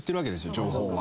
情報は。